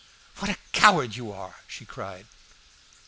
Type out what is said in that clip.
"What a coward you are!" she cried.